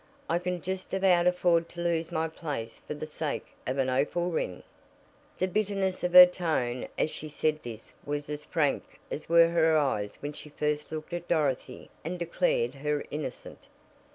"I can just about afford to lose my place for the sake of an opal ring." The bitterness of her tone as she said this was as frank as were her eyes when she first looked at Dorothy and declared her innocent.